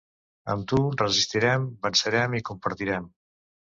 Amb tu resistirem, vencerem i compartirem .